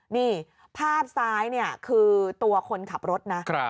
นี่ภาพซ้ายเนี่ยคือตัวคนขับรถนะ